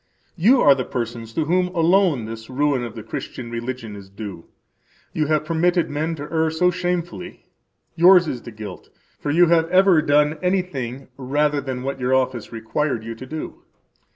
[You are the persons to whom alone this ruin of the Christian religion is due. You have permitted men to err so shamefully; yours is the guilt; for you have ever done anything rather than what your office required you to do.